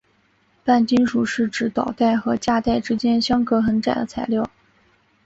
半金属是指导带和价带之间相隔很窄的材料。